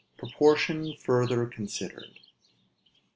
PROPORTION FURTHER CONSIDERED.